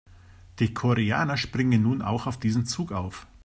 Die Koreaner springen nun auch auf diesen Zug auf.